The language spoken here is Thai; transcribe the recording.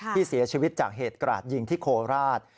ที่เสียชีวิตจากเหตุกราดยิงที่โคราช